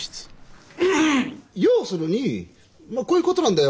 要するにまあこういうことなんだよ。